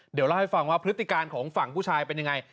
เดี๋ยวเล่าให้ฟังว่าพฤติการของฝั่งผู้ชายเป็นยังไง